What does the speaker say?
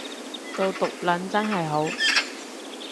做毒撚真係好